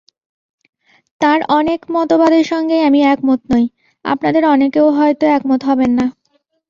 তাঁর অনেক মতবাদের সঙ্গেই আমি একমত নই, আপনাদের অনেকেও হয়তো একমত হবেন না।